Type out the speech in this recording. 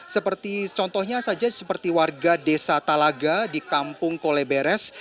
seperti contohnya saja seperti warga desa talaga di kampung koleberes